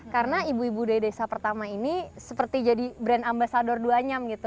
karena ibu ibu dari desa pertama ini seperti jadi brand ambasador duanyam gitu